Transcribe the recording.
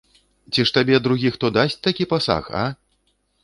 Ці ж табе другі хто дасць такі пасаг, а?